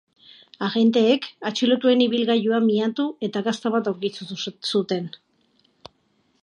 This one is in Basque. Agenteek atxilotuen ibilgailua miatu eta gazta bat aurkitu zuten.